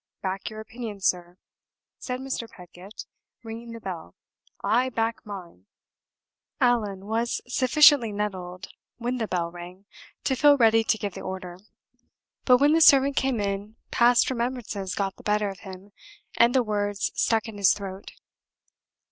Back your opinion, sir," said Mr. Pedgift, ringing the bell; "I back mine!" Allan was sufficiently nettled when the bell rang to feel ready to give the order. But when the servant came in, past remembrances got the better of him, and the words stuck in his throat.